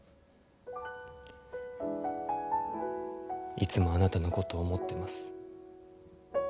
いつもあなたのことを思ってます。